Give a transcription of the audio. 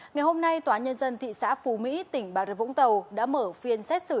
ngày hôm nay tòa nhân dân thị xã phú mỹ tỉnh bà rập vũng tàu đã mở phiên xét xử